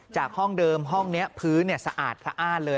ห้องเดิมห้องนี้พื้นสะอาดสะอ้านเลย